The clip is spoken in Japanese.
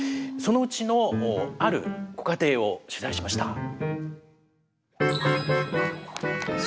そのうちのあるご家庭を取材しました。